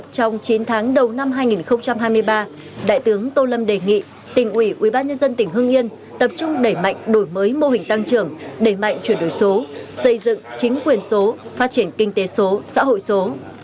trong chín tháng đầu năm hai nghìn hai mươi ba đại tướng tô lâm đề nghị tỉnh ủy ubnd tỉnh hương yên tập trung đẩy mạnh đổi mới mô hình tăng trưởng đẩy mạnh chuyển đổi số xây dựng chính quyền số phát triển kinh tế số xã hội số